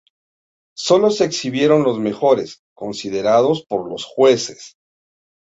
Sólo se exhibieron los mejores, considerados por los jueces.